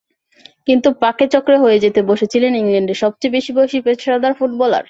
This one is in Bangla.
কিন্তু পাকেচক্রে হয়ে যেতে বসেছিলেন ইংল্যান্ডের সবচেয়ে বেশি বয়সী পেশাদার ফুটবলার।